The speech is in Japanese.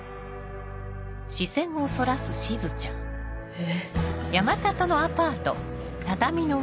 え。